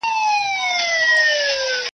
په دې چرت کي وو چي دا به څه بلا وي .